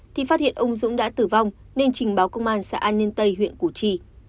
thì phát hiện ông dũng đã tử vong nên trình báo công an xã an nhân tây huyện củ chi